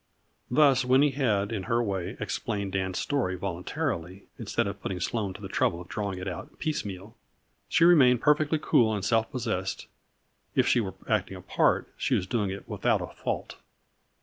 Thus Winnie had, in her way, explained Dan's story voluntarily, instead of putting Sloane to the trouble of drawing it out piecemeal. She remained perfectly cool and self possessed. If she were acting a part, she was doing it without a fault.